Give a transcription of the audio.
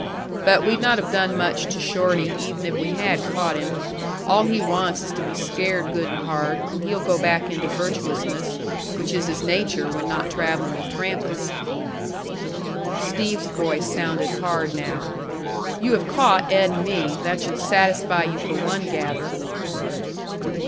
But we'd not have done much to Shorty, even if we had caught him. All he wants is to be scared good and hard, and he'll go back into virtuousness, which is his nature when not travelling with Trampas." Steve's voice sounded hard now. "You have caught Ed and me. That should satisfy you for one gather."